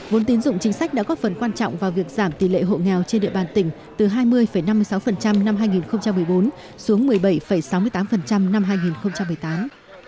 vốn tín dụng chính sách đã góp phần quan trọng vào việc giảm tỷ lệ hộ nghèo trên địa bàn tỉnh từ hai mươi năm mươi sáu năm hai nghìn một mươi bốn xuống một mươi bảy sáu mươi tám năm hai nghìn một mươi tám